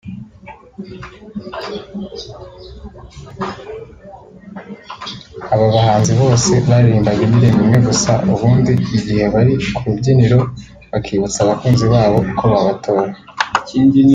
Aba bahanzi bose baririmbaga indirimbo imwe gusa ubundi igihe bari ku rubyiniro bakibutsa abakunzi babo uko babatora